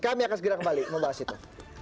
kami akan segera kembali membahas itu